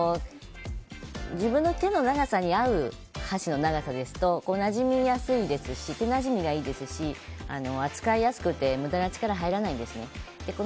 自分の手の長さに合う箸の長さですとなじみやすいですし手なじみがいいですし扱いやすくて無駄な力が入らないんですね。